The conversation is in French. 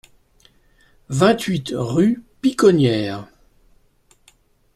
vingt-huit rue Piconnières